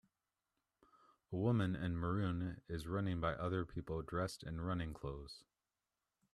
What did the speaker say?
a woman in maroon is running by other people dressed in running clothes